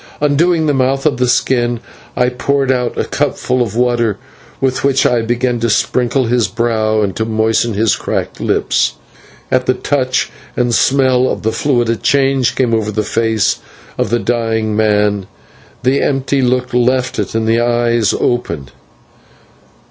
Undoing the mouth of the skin, I poured out a cupful of water, with which I began to sprinkle his brow and to moisten his cracked lips. At the touch and smell of the fluid a change came over the face of the dying man, the empty look left it, and the eyes opened.